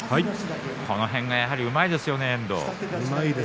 この辺がうまいですよね遠藤は。